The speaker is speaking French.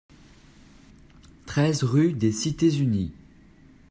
treize rue des Cités Unies